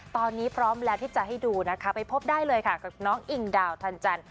ตอนนี้พร้อมแล้วที่จะให้ดูนะคะไปพบได้เลยค่ะกับน้องอิงดาวทันจันท